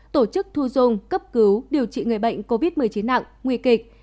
tổ chức thu dung cấp cứu điều trị người bệnh covid một mươi chín nặng nguy kịch